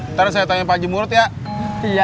ntar saya tanya pak ji murut ya